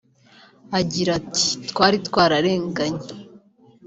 Agira ati “Twari twararenganye